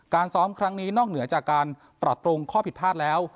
ซ้อมครั้งนี้นอกเหนือจากการปรับปรุงข้อผิดพลาดแล้ว